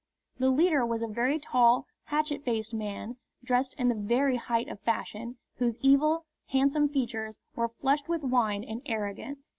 The leader was a very tall, hatchet faced man, dressed in the very height of fashion, whose evil, handsome features were flushed with wine and arrogance.